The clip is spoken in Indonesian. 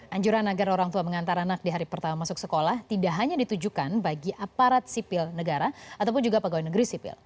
anjuran agar orang tua mengantar anak di hari pertama masuk sekolah tidak hanya ditujukan bagi aparat sipil negara ataupun juga pegawai negeri sipil